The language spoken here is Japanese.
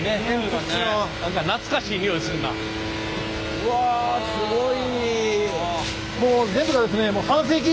うわすごい！え！